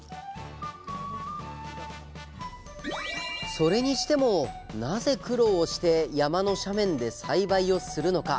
それにしてもなぜ苦労をして山の斜面で栽培をするのか。